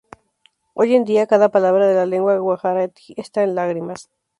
Hoy en día, cada palabra de la lengua Gujarati está en lágrimas".